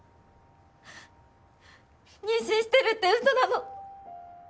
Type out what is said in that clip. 妊娠してるって嘘なの。